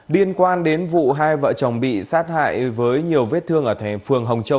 liên quan đến vụ hai vợ chồng bị sát hại với nhiều vết thương ở phường hồng châu